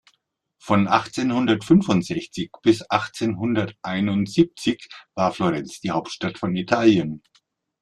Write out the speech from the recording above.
Von achtzehnhundertfünfundsechzig bis achtzehnhunderteinundsiebzig war Florenz die Hauptstadt von Italien.